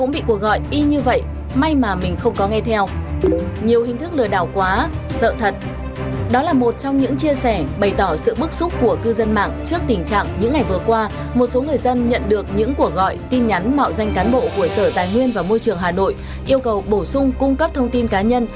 bộ của sở tài nguyên và môi trường tp hà nội yêu cầu bổ sung cung cấp thông tin cá nhân